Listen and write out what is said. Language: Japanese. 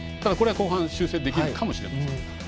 後半修正できるかもしれません。